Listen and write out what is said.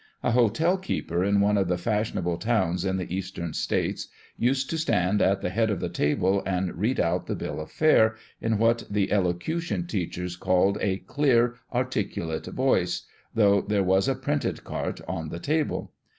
A hotel keeper in one of the fashionable towns in the eastern states used to stand at the head of the table and read out the bill of fare in what the elocution teachers call a " clear articulate voice," though there was a printed carte on the table.